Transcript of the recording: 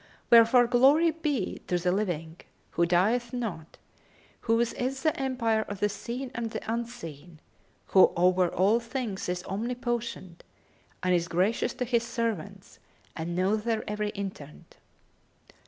Wherefore glory be to the Living, who dieth not, whose is the empire of the Seen and the Unseen, who over all things is Omnnipotent and is gracious to His servants and knowth their every intent!